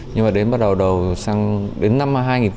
nhưng mà đến bắt đầu đầu sang đến năm hai nghìn hai mươi